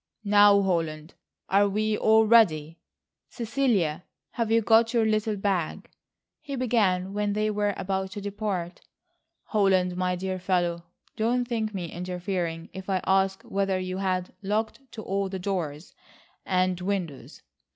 "Now, Holland, are we all ready? Cecilia, have you got your little bag?" he began when they were about to depart. "Holland, my dear fellow, don't think me interfering if I ask whether you have looked to all the doors and windows?